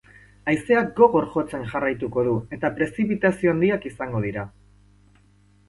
Haizeak gogor jotzen jarraituko du eta prezipitazio handiak izango dira.